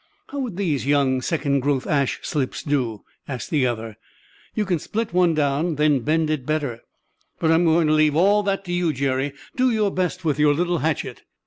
"How would these young second growth ash slips do?" asked the other. "You can split one down, and then bend it better. But I'm going to leave all that to you, Jerry. Do your best with your little hatchet.